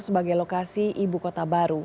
sebagai lokasi ibu kota baru